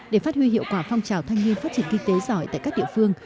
để phát huy hiệu quả phong trào thanh niên phát triển kinh tế giỏi tại các địa phương